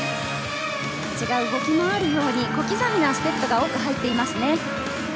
ハチが動き回るように小刻みなステップが多く入っていますね。